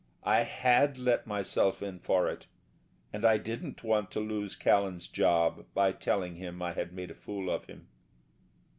I had let myself in for it, and I didn't want to lose Callan's job by telling him I had made a fool of him.